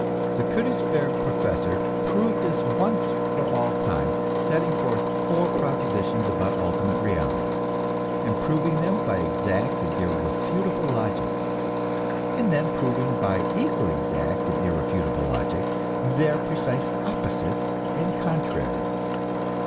The Koenigsberg professor proved this once for all time, setting forth four propositions about ultimate reality, and proving them by exact and irrefutable logic, and then proving by equally exact and irrefutable logic their precise opposites and contraries.